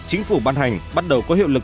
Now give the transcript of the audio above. chính phủ ban hành bắt đầu có hiệu lực